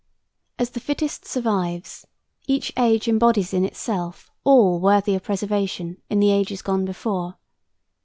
As the fittest survives, each age embodies in itself all worthy of preservation in the ages gone before.